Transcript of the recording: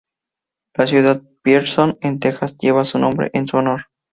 La ciudad de Pearson, en Texas lleva su nombre en su honor.